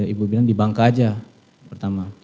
ibu bilang di bangka aja pertama